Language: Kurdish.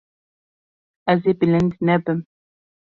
Ez ê bilind nebim.